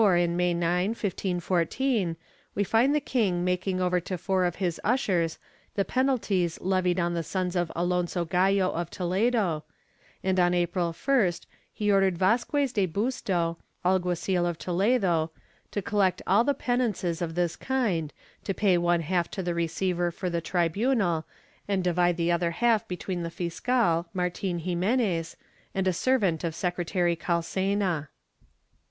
May 9, 1514, we find the king making over to four of his ushers the penalties levied on the sons of Alonso Gallo of Toledo, and on April 1st he ordered Vazquez de Busto, alguazil of Toledo, to collect all the penances of this kind, to pay one half to the receiver for the tribunal, and divide the other half between the fiscal, Martin Ximenes, and a servant of secretary Calcena.